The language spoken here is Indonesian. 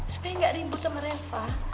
supaya nggak ribut sama reva